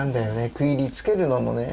区切りつけるのもね。